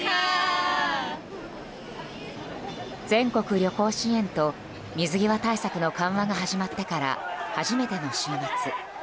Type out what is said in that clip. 全国旅行支援と水際対策の緩和が始まってから初めての週末。